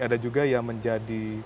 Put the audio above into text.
ada juga yang menjadi